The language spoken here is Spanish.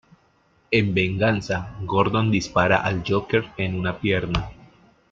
En venganza, Gordon dispara al Joker en una pierna.